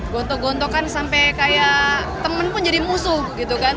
gotoh gontokan sampai kayak temen pun jadi musuh gitu kan